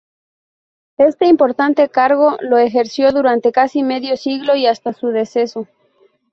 Este importante cargo lo ejerció durante casi medio siglo y hasta su deceso.